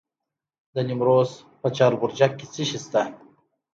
د نیمروز په چاربرجک کې څه شی شته؟